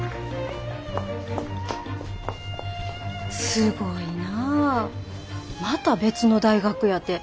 すごいなぁまた別の大学やて。